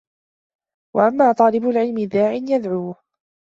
وَأَمَّا طَالِبُ الْعِلْمِ لِدَاعٍ يَدْعُوهُ